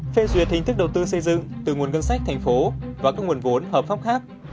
phê duyệt hình thức đầu tư xây dựng từ nguồn ngân sách thành phố và các nguồn vốn hợp pháp khác